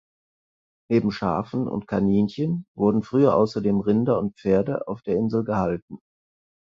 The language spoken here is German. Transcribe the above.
Neben Schafen und Kaninchen wurden früher außerdem Rinder und Pferde auf der Insel gehalten.